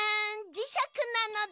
じしゃくなのだ。